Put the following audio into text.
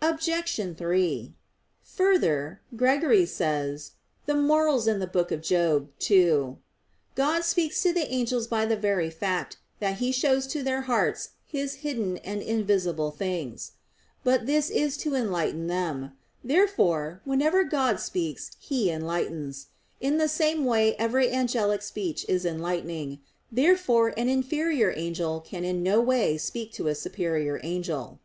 Obj. 3: Further, Gregory says (Moral. ii): "God speaks to the angels by the very fact that He shows to their hearts His hidden and invisible things." But this is to enlighten them. Therefore, whenever God speaks, He enlightens. In the same way every angelic speech is an enlightening. Therefore an inferior angel can in no way speak to a superior angel.